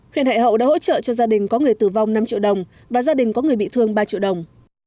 huyện hải hậu đã hỗ trợ cho gia đình có người tử vong năm triệu đồng và gia đình có người bị thương ba triệu đồng